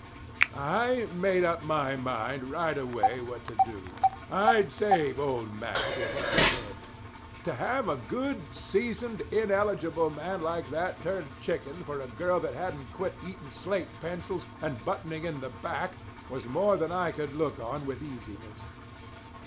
I made up my mind right away what to do. I'd save old Mack if I could. To have a good, seasoned, ineligible man like that turn chicken for a girl that hadn't quit eating slate pencils and buttoning in the back was more than I could look on with easiness.